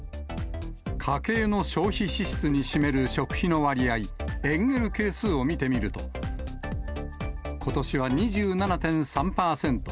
家計の消費支出に占める食費の割合、エンゲル係数を見てみると、ことしは２７．３％。